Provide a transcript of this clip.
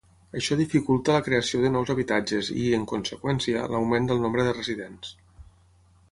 Això dificulta la creació de nous habitatges i, en conseqüència, l'augment del nombre de residents.